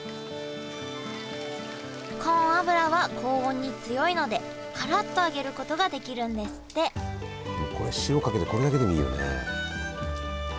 コーン油は高温に強いのでカラっと揚げることができるんですってもうこれ塩かけてこれだけでもいいよね。